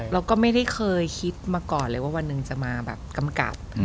เราก็ไม่ได้เคยคิดมาก่อนเลยว่าวันหนึ่งจะมาแบบกำกับ